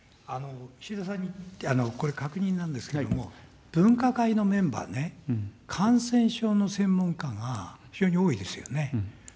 岸田さんに、これ、確認なんですけれども、分科会のメンバーね、感染症の専門家が非常に多いですよね。